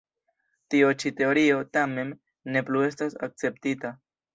Tio ĉi teorio, tamen, ne plu estas akceptita.